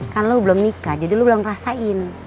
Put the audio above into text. kan lo belum nikah jadi lo belum rasain